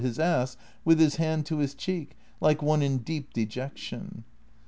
1^5 his ass with his hand to his cheek, like one in deep dejection.